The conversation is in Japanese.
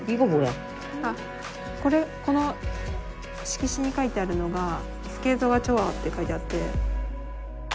この色紙に書いてあるのがスケートがチョアって書いてあって。